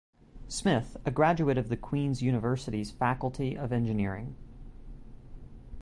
Smith, a graduate of the Queen's University's Faculty of Engineering.